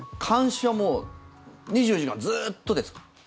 監視は２４時間ずっとですか？